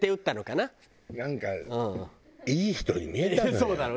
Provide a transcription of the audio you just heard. なんかいい人に見えたのよ。